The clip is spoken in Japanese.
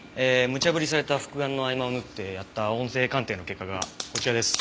無茶ぶりされた復顔の合間を縫ってやった音声鑑定の結果がこちらです。